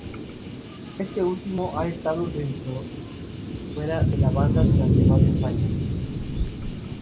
Este último ha estado dentro y fuera de la banda durante varios años.